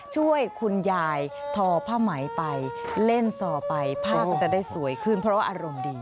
ช่วยคุณยายทอผ้าไหมไปเล่นซอไปผ้าก็จะได้สวยขึ้นเพราะว่าอารมณ์ดี